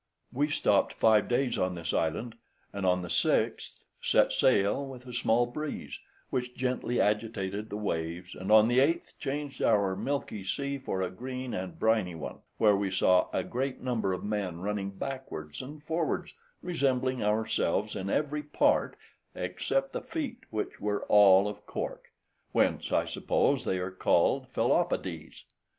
We stopped five days on this island, and on the sixth set sail with a small breeze, which gently agitated the waves, and on the eighth, changed our milky sea for a green and briny one, where we saw a great number of men running backwards and forwards, resembling ourselves in every part, except the feet, which were all of cork, whence, I suppose, they are called Phellopodes.